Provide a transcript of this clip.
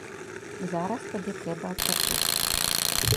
Зараз табе трэба адпачыць.